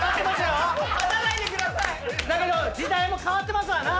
だけど時代も変わってますわなぁ！